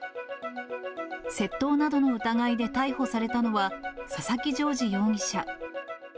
窃盗などの疑いで逮捕されたのは、佐々木城二容疑者。